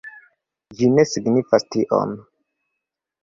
Ĝi ne signifas tion.